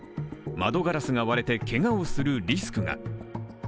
窓ガラスが割れて、けがをするリスクが。